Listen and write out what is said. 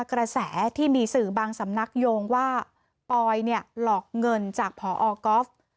กระแสที่มีสื่อบางสำนักโยงว่าปอยเนี่ยหลอกเงินจากพอก๊อฟ